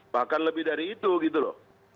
bahkan lebih dari itu gitu loh